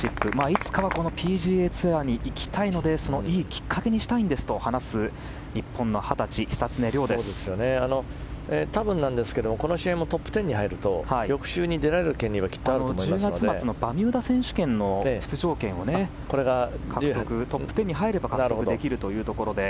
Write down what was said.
いつかはＰＧＡツアーに行きたいのでそのいいきっかけにしたいんですと話す多分ですがこの試合もトップ１０に入ると翌週に出られる権利がバミューダ選手権の出場権をトップ１０に入れば獲得できるということで。